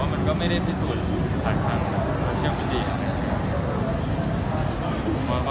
มันก็ไม่ได้พิสูจน์ผ่านทางโซเชียลมีเดีย